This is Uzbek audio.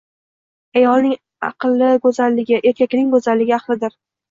Ayolning aqli go’zalligi, erkakning go’zalligi aqlidir.